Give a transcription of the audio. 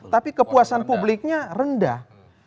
tapi kepuasan publiknya rendah